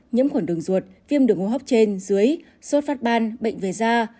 nhiễm khuẩn đường ruột viêm đường hô hấp trên dưới sốt phát ban bệnh về da